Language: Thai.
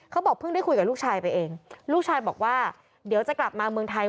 เขาบอกเพิ่งได้คุยกับลูกชายไปเองลูกชายบอกว่าเดี๋ยวจะกลับมาเมืองไทย